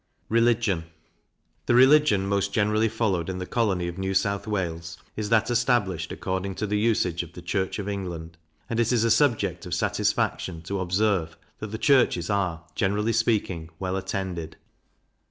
Religion. The religion most generally followed in the colony of New South Wales, is that established according to the usage of the Church of England; and it is a subject of satisfaction to observe that the churches are, generally speaking, well attended.